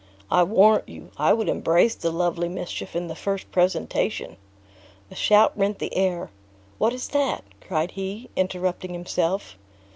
I warrant you, I would embrace the lovely mischief in the first presentation." A shout rent the air. "What is that?" cried he, interrupting himself.